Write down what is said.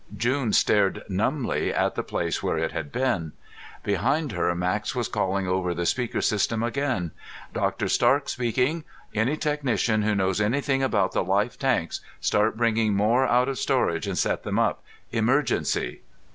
June stared numbly at the place where it had been. Behind her, Max was calling over the speaker system again: "Dr. Stark speaking. Any technician who knows anything about the life tanks, start bringing more out of storage and set them up. Emergency."